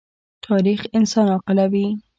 تاریخ انسان عاقلوي.